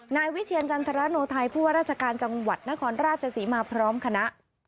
นายวิเชียรจันทรโนไทยผู้ว่าราชการจังหวัดนครราชศรีมาพร้อมคณะ